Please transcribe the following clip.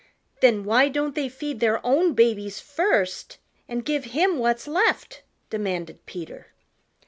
"Then why don't they feed their own babies first and give him what's left?" demanded Peter.